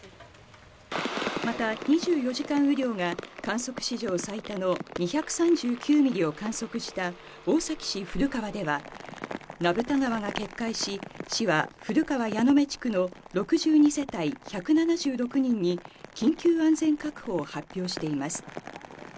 また、２４時間雨量が観測史上最多の２３９ミリを観測した大崎市古川では名蓋川が決壊し、市はは古川矢目地区の６２世帯１７６人に緊急安全確保を発表しています。